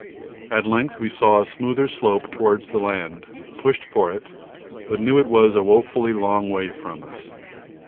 At length we saw a smoother slope towards the land, pushed for it, but knew it was a woefully long way from us.